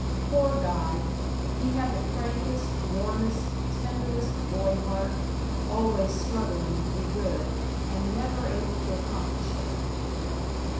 Poor Guy! he had the frankest, warmest, tenderest boy heart, always struggling to be good, and never able to accomplish it.